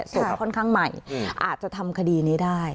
ค่อนข้างใหม่อาจจะทำคดีนี้ได้